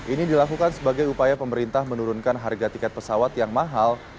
ini dilakukan sebagai upaya pemerintah menurunkan harga tiket pesawat yang mahal